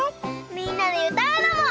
みんなでうたうのも。